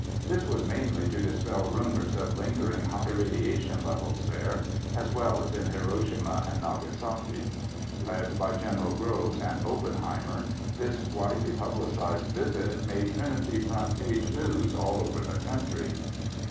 This was mainly to dispel rumors of lingering high radiation levels there, as well as in Hiroshima and Nagasaki. Led by General Groves and Oppenheimer, this widely publicized visit made Trinity front page news all over the country.